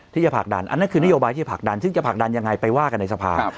ที่จะผลักดันอันนั้นคือนโยบายที่จะผลักดันซึ่งจะผลักดันยังไงไปว่ากันในสภา